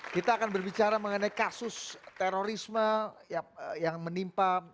kita akan berbicara mengenai kasus terorisme yang menimpa